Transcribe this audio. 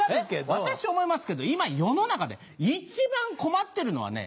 私思いますけど今世の中で一番困ってるのはね